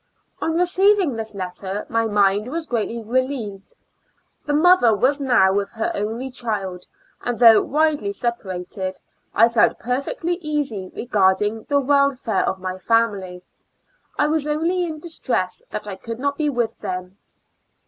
On receiving this letter my mind was greatly relieved; the mother was now with her only child, and though widely separated, I felt perfectly easy regarding the wel fare of my family; I was only in distress that I could not be with them.